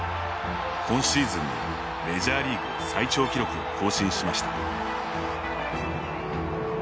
今シーズンのメジャーリーグ最長記録を更新しました。